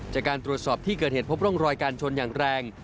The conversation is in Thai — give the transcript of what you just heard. จากการตรวจสอบที่เกิดเหตุพบร่องรอยการชนอย่างแรง